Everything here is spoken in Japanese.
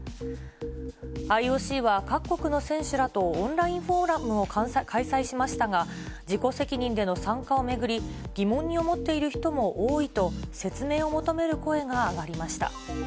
ＩＯＣは各国の選手らとオンラインフォーラムを開催しましたが、自己責任での参加を巡り、疑問に思っている人も多いと説明を求める声が上がりました。